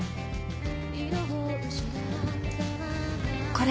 これ。